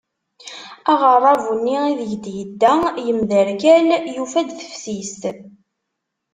Aɣerabu-nni ideg d-yedda yemderkal yufa-d teftist.